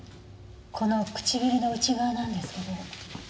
この唇の内側なんですけど。